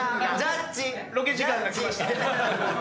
ロケ時間が来ました。